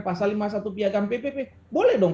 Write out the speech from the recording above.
pasal lima puluh satu piagam ppp boleh dong